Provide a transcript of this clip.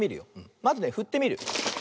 まずねふってみる。